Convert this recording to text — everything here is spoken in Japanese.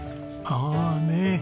ああねえ。